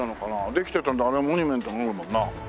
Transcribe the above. できてたあれモニュメントがあるもんな。